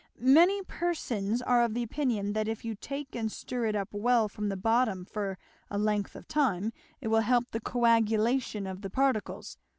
"Many persons are of the opinion that if you take and stir it up well from the bottom for a length of time it will help the coagulation of the particles.